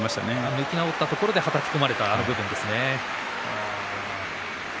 向き直ったところではたき込まれたあの場面ですね。